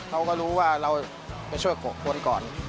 เขาก็รู้ว่าเราไปช่วย๖คนก่อน